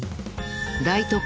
［大都会